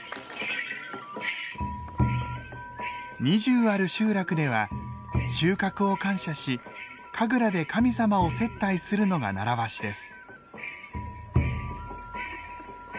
２０ある集落では収穫を感謝し神楽で神様を接待するのが習わしです。